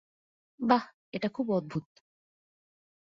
বাহ, এটা খুব অদ্ভুত।